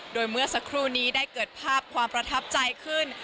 โดยเมื่อสักครู่นี้ได้เกิดภาพความประทับใจขึ้น